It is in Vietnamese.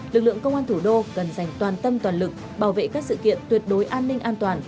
lực lượng công an thủ đô cần dành toàn tâm toàn lực bảo vệ các sự kiện tuyệt đối an ninh an toàn